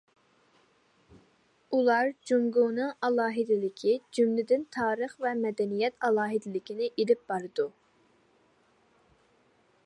ئۇلار جۇڭگونىڭ ئالاھىدىلىكى، جۈملىدىن تارىخ ۋە مەدەنىيەت ئالاھىدىلىكىنى ئېلىپ بارىدۇ.